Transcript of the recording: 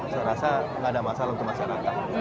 saya rasa tidak ada masalah untuk masyarakat